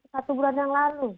satu bulan yang lalu